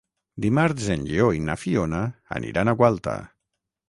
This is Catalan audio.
Dimarts en Lleó i na Fiona aniran a Gualta.